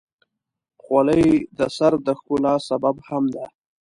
خولۍ د سر د ښکلا سبب هم ده.